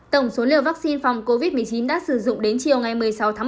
tổng số liều vaccine phòng covid một mươi chín đã sử dụng đến chiều ngày một mươi sáu tháng một